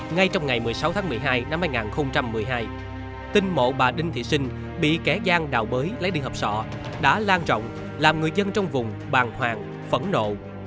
ngay trong ngày một mươi sáu tháng một mươi hai năm hai nghìn một mươi hai tin mộ bà đinh thị sinh bị kẻ giang đạo bới lấy đi hợp sọ đã lan trọng làm người dân trong vùng bàn hoàng phẫn nộ